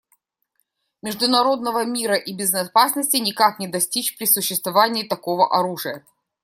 Международного мира и безопасности никак не достичь при существовании такого оружия.